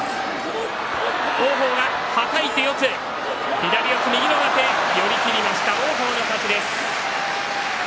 左四つ右の上手寄り切りました、王鵬の勝ち。